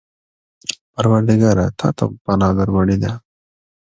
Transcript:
پروردګاره! تا ته مو پناه در وړې ده.